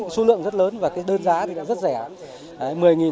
số lượng rất lớn và cái đơn giá thì đã rất rẻ